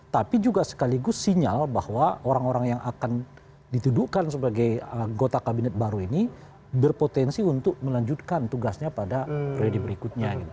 tapi juga sekaligus sinyal bahwa orang orang yang akan dituduhkan sebagai anggota kabinet baru ini berpotensi untuk melanjutkan tugasnya pada periode berikutnya